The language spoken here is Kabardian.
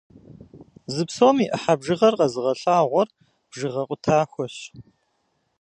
Зы псом и ӏыхьэ бжыгъэр къэзыгъэлъагъуэр бжыгъэ къутахуэщ.